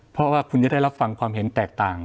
เพราะว่าคุณจะได้รับฟังความเห็นแตกต่าง